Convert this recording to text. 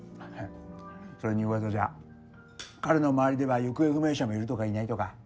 それに噂じゃ彼の周りでは行方不明者もいるとかいないとか。